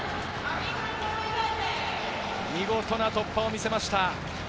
見事な突破を見せました。